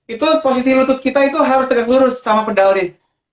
itu posisi lutut kita itu harus tegak lurus sama pedali